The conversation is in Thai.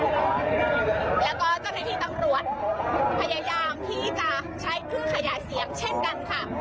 แล้วก็เจ้าหน้าที่ตำรวจพยายามที่จะใช้เครื่องขยายเสียงเช่นกันค่ะ